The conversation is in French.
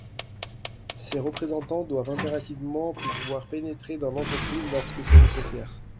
Ces représentants doivent impérativement pouvoir pénétrer dans l’entreprise lorsque c’est nécessaire.